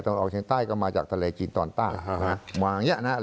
ตะวันออกเฉียงใต้ก็มาจากทะเลจีนตอนใต้อ่าฮะวางเงี้ยนะฮะ